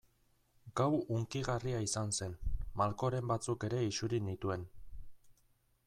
Gau hunkigarria izan zen, malkoren batzuk ere isuri nituen.